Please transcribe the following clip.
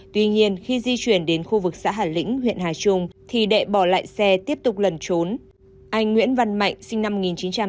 tuy nhiên khi di chuyển đến khu vực xã hải lĩnh huyện hà trung thì đệ bỏ lại xe tiếp tục lần trốn